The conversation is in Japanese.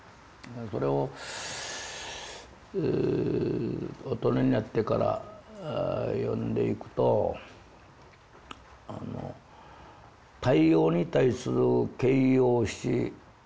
それを大人になってから読んでいくとあの太陽に対する形容詞。